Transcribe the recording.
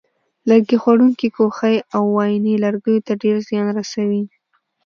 لرګي خوړونکې کوخۍ او وایینې لرګیو ته ډېر زیان رسوي.